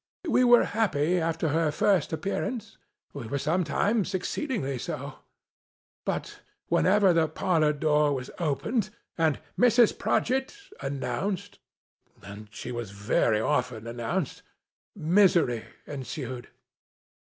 We were happy after her first appearance ; we were sometimes exceedingly so. But, whenever the parlor door was opened, and " Mrs. Prodgit !" announced (and she was very often announced), misery ensued.